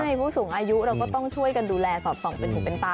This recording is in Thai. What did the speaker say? ใช่ผู้สูงอายุเราก็ต้องช่วยกันดูแลสอดส่องเป็นหูเป็นตา